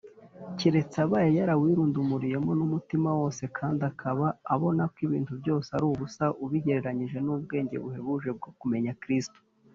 keretse abaye yarawirundumuriyemo n’umutima wose kandi akaba abona ko ibintu byose ari ubusa ubigereranyije n’ubwenge buhebuje bwo kumenya kristo